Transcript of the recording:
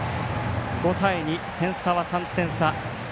５対２、点差は３点差。